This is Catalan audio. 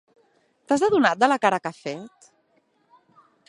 T'has adonat de la cara que ha fet?